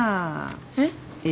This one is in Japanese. えっ？